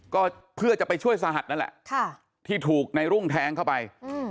ก็เพื่อจะไปช่วยสหัสนั่นแหละที่ถูกในรุ่งแทงเข้าไป